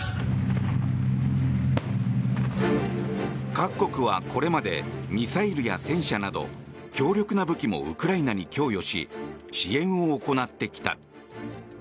各国はこれまでミサイルや戦車など強力な武器もウクライナに供与し支援を行ってきた。